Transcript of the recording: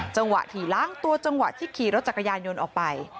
จังหวะถี่ล้างตัวจังหวะที่ขี่รถจักรยานยนต์ออกไป